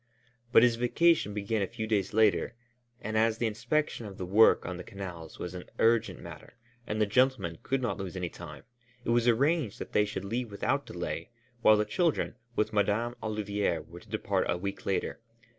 But his vacation began a few days later, and as the inspection of the work on the canals was an urgent matter and the gentlemen could not lose any time, it was arranged that they should leave without delay, while the children, with Madame Olivier, were to depart a week later.